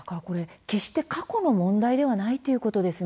決して過去の問題ではないということですね。